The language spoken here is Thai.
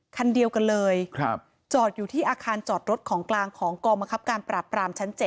คันเดียวกันเลยจอดอยู่ที่อาคารจอดรถของกลางของกองบังคับการปราบปรามชั้น๗